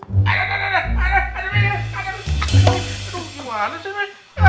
aduh gimana sih mie